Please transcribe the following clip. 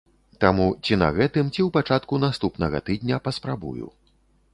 Таму ці на гэтым, ці ў пачатку наступнага тыдня паспрабую.